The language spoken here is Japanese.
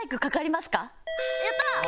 やったー！